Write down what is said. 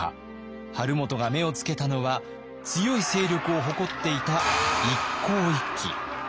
晴元が目をつけたのは強い勢力を誇っていた一向一揆。